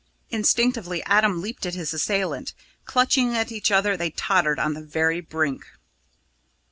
Instinctively Adam leaped at his assailant; clutching at each other, they tottered on the very brink.